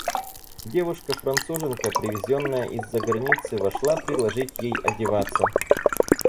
Девушка-Француженка, привезенная из-за границы, вошла предложить ей одеваться.